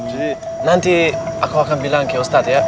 jadi nanti aku akan bilang ke ustadz ya